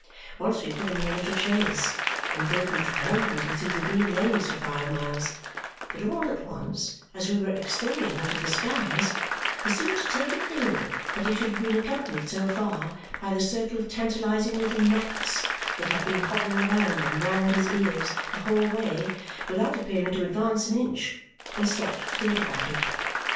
Once we put him in a little chaise and drove him triumphantly through the green lanes for five miles; but all at once, as we were extolling him to the skies, he seemed to take it ill that he should have been accompanied so far by the circle of tantalizing little gnats that had been hovering round and round his ears the whole way without appearing to advance an inch, and stopped to think about it.